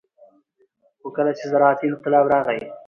خو کله چې زراعتي انقلاب راغى